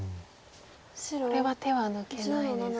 これは手は抜けないですか。